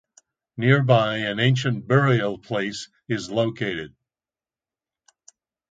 Nearby an ancient burial place is located.